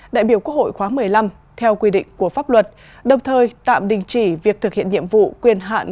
đại biểu quốc hội khóa một mươi năm theo quy định của pháp luật đồng thời tạm đình chỉ việc thực hiện nhiệm vụ quyền hạn